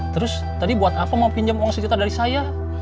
terus tadi buat apa mau pinjam uang sejuta dari saya